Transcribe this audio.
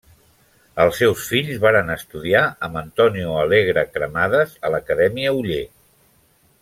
Els seus fills varen estudiar amb Antonio Alegre Cremades a l'Acadèmia Oller.